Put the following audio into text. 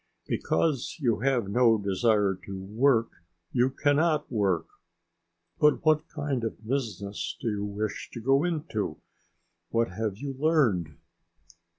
Because you have no desire to work you cannot work. But what kind of business do you wish to go into? What have you learned?"